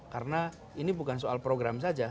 karena ini bukan soal program saja